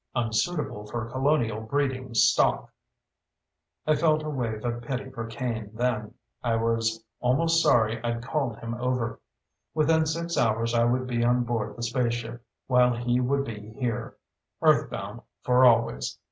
Unsuitable for colonial breeding stock " I felt a wave of pity for Kane then. I was almost sorry I'd called him over. Within six hours I would be on board the spaceship, while he would be here. Earthbound for always.